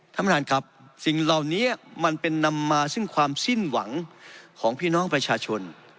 ท่านประธานครับสิ่งเหล่านี้มันเป็นนำมาซึ่งความสิ้นหวังของพี่น้องประชาชน